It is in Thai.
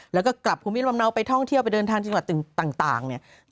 แล้วก็กลับพลุมีธรรมนัวไปท่องเที่ยวเดินทางจังหวัดถึงต่างเนี่ย